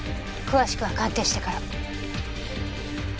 詳しくは鑑定してから。